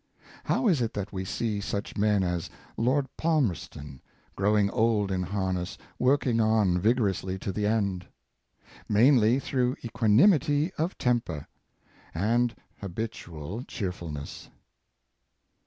How is it that we see such men as Lord Palmerston growing old in harness, working on vigorously to the end.^ Mainly through equanimity of temper and ha bitual cheerfulness.